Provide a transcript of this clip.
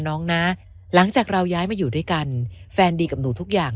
น้องนะหลังจากเราย้ายมาอยู่ด้วยกันแฟนดีกับหนูทุกอย่าง